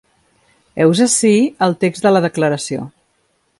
Heus ací el text de la declaració.